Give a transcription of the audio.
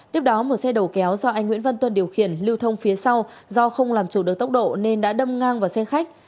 tiếp đó một xe đầu kéo do anh nguyễn văn tuân điều khiển lưu thông phía sau do không làm chủ được tốc độ nên đã đâm ngang vào xe khách